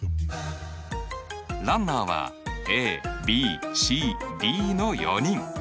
ランナーはＡＢＣＤの４人。